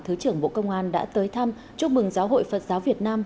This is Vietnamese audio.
thứ trưởng bộ công an đã tới thăm chúc mừng giáo hội phật giáo việt nam